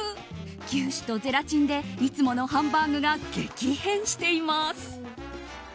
牛脂とゼラチンでいつものハンバーグが激変しています。